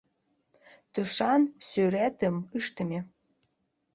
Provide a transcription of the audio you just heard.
Тушан сӱретым ыштыме...»